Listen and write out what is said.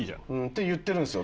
て言ってるんですよ。